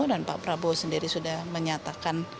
dan pak prabowo sendiri sudah menyatakan